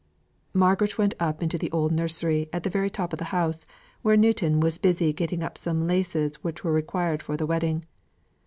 Margaret went up into the old nursery at the very top of the house, where Newton was busy getting up some laces which were required for the wedding.